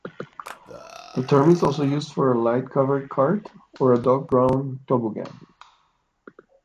The term is also used for a light covered cart or a dog-drawn toboggan.